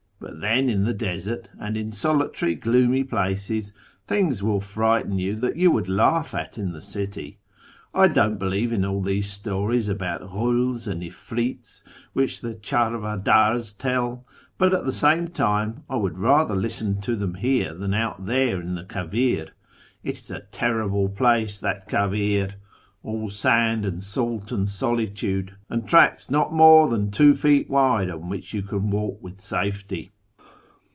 But then in the desert, and in solitary, gloomy places, things will frighten you that you would laugh at in the city. I don't believe in all tliese stories about ghuls and 'ifrits which the charvaddrs tell ; but at the same time I would rather listen to them here than out there in the Jcavir. It is a terrible place that kavir ! All sand and salt and solitude, and tracks not more than two feet wide on which you can w^alk with safety.